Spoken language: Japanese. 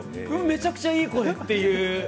めちゃくちゃいい声っていう。